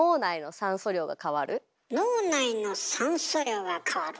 脳内の酸素量が変わる。